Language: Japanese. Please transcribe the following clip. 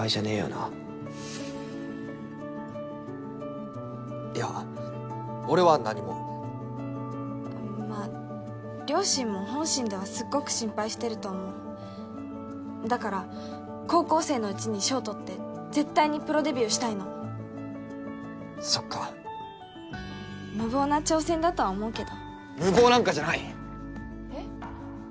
ないや俺は何もまあ両親も本心ではすっごく心配してると思うだから高校生のうちに賞取って絶対にプロデビューしたいのそっか無謀な挑戦だとは思うけど無謀なんかじゃないえっ？